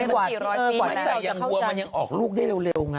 ที่เขาทำกันเมื่อสี่ร้อยปีแล้วจะเข้าใจแต่ยังบัวมันยังออกลูกได้เร็วน่ะ